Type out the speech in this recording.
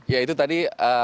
ya itu tadi